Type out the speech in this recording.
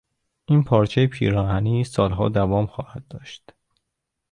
این پارچهی پیراهنی سالها دوام خواهد داشت.